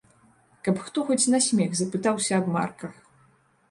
Каб хто хоць на смех запытаўся аб марках.